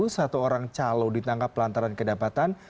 satu orang calo ditangkap lantaran kedapatan